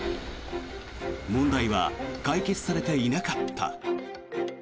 問題は解決されていなかった。